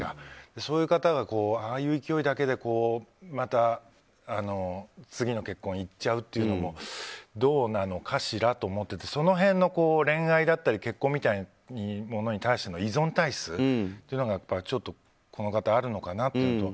そういう方がああいう勢いだけでまた次の結婚にいっちゃうというのもどうなのかしらって思っててその辺の恋愛だったり結婚だったりというものに対して依存体質というのがちょっとこの方はあるのかなと。